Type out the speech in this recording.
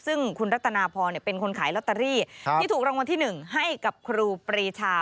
ซึ่งคุณรัตนาพรเป็นคนขายลอตเตอรี่ที่ถูกรางวัลที่๑ให้กับครูปรีชา